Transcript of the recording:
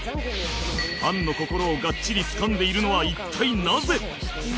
ファンの心をがっちりつかんでいるのは一体なぜ？